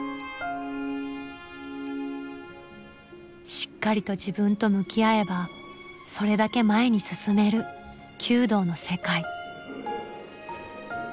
しっかりと自分と向き合えばそれだけ前に進める弓道の世界。